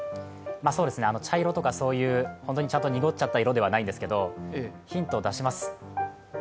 茶色とかそういうちゃんと本当に濁っちゃった色ではないんですけどヒント出します。